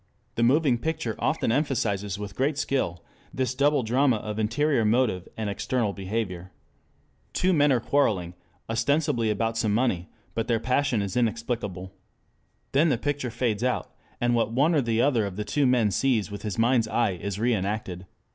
The moving picture often emphasizes with great skill this double drama of interior motive and external behavior. Two men are quarreling, ostensibly about some money, but their passion is inexplicable. Then the picture fades out and what one or the other of the two men sees with his mind's eye is reënacted.